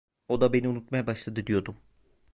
O da beni unutmaya başladı diyordum.